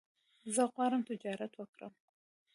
زه غواړم تجارت وکړم